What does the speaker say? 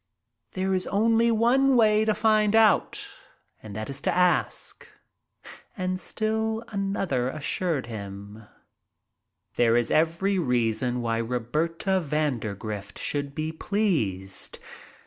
There is only one way to find out, and that is to ask." And still another assured him, "There is every reason why Roberta Vandergrift should be pleased.